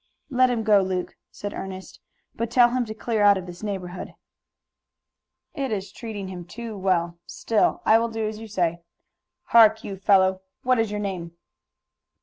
"Let him go, Luke," said Ernest, "but tell him to clear out of this neighborhood." "It is treating him too well. Still, I will do as you say. Hark, you fellow, what is your name?"